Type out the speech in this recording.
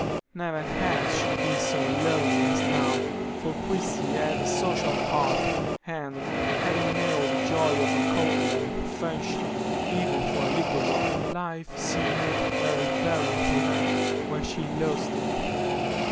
Never had she been so lonely as now, for Christie had a social heart, and, having known the joy of a cordial friendship even for a little while, life seemed very barren to her when she lost it.